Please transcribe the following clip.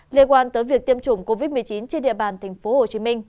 liên quan tới việc tiêm chủng covid một mươi chín trên địa bàn tp hcm